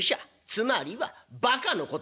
つまりはバカのことだ」。